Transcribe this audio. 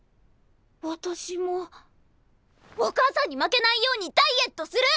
私もお母さんに負けないようにダイエットする！